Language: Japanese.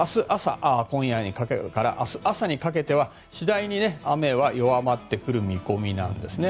今夜から明日朝にかけて次第に雨は弱まってくる見込みなんですね。